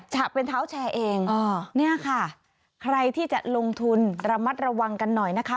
ฉะเป็นเท้าแชร์เองเนี่ยค่ะใครที่จะลงทุนระมัดระวังกันหน่อยนะคะ